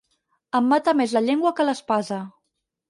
En mata més la llengua que l'espasa.